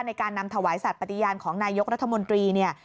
ในการนำถวายสัตว์ปฏิญาณของนายกรัฐมนตรีเนี่ย